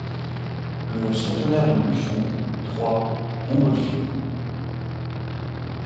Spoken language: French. LE CENTENAIRE DE BUFFON, Troyes, Montgolfier.